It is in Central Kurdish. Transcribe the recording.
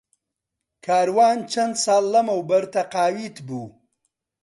کاروان چەند ساڵ لەمەوبەر تەقاویت بوو.